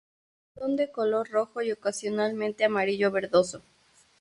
Son de color rojo y ocasionalmente amarillo verdoso.